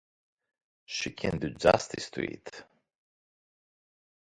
She can do justice to it.